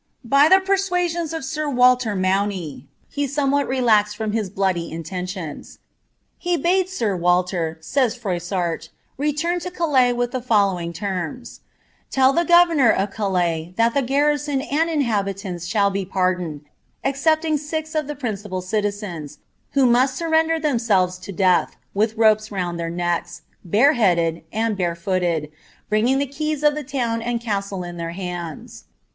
By the pcrsuiuioiis of sir Walter Maun;, bf tomewhat relaxed from his bloody intcDtioiiB. " He bade sir Walter,'* wya Fiuiesart, " retam lo Calais with the following lemu >—' Tell ihs ^frrnor of Calais that the garrison and iiihabiiania shall be psrdunedi excepting six of th« principal citizens, who must surrender iliemBelvef to duiti, with iope« round their necks, bareheaded, and barefooiod, bringiag the krys of the town and caalle in their liands.'